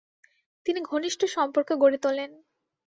তিনি ঘনিষ্ট সম্পর্ক গড়ে তোলেন।